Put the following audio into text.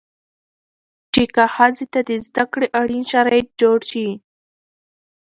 چې که ښځې ته د زده کړې اړين شرايط جوړ شي